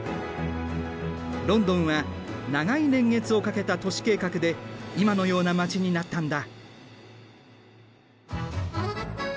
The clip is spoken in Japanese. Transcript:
ロンドンは長い年月をかけた都市計画で今のような街になったんだ。